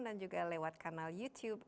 dan juga lewat kanal youtube